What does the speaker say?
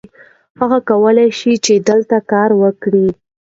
هغه کولی شي چې دلته کار وکړي.